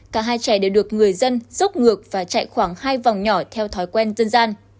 cả hai trẻ đều được người dân dốc ngược và chạy khoảng hai vòng nhỏ theo thói quen dân gian